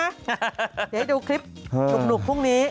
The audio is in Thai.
เดี๋ยวให้ดูคลิปหนุ่มพรุ่งนี้